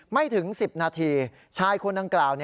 ไม่ถึง๑๐นาทีชายคนดังกล่าว